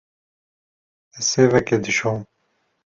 Ez sêvekê dişom.